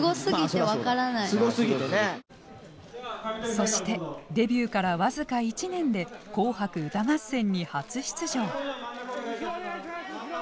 そしてデビューから僅か１年で「紅白歌合戦」に初出場。